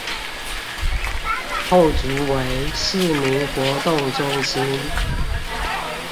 後竹圍市民活動中心